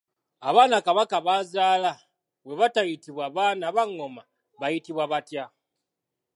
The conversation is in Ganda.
Abaana Kabaka b’azaala bwe batayitibwa baana ba ngoma bayitibwa batya?